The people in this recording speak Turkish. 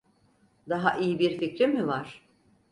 Daha iyi bir fikrin mi var?